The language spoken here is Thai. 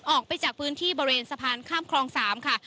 ออกไปจากพื้นที่บริเวณสะพานข้ามคลอง๓ค่ะ